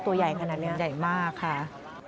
ตัวใหญ่ขนาดเล็กใหญ่มากค่ะ